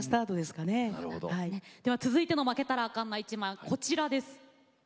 では続いての「負けたらあかん」な一枚はこちらです。